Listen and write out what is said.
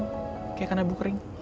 kayak karena bukering